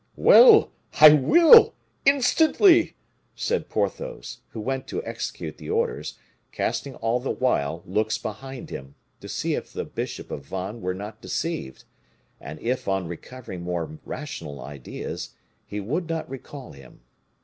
"Well! I will instantly!" said Porthos, who went to execute the orders, casting all the while looks behind him, to see if the bishop of Vannes were not deceived; and if, on recovering more rational ideas, he would not recall him.